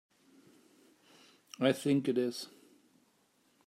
I think it is.